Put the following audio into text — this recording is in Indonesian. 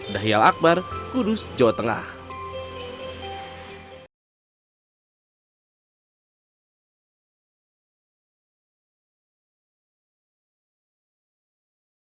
berita terkini mengenai cuaca ekstrem dua ribu dua puluh satu di indonesia